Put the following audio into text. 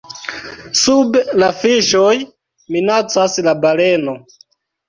Sub la Fiŝoj, minacas la Baleno.